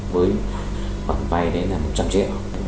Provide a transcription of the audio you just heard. với khoản vay đấy là một trăm linh triệu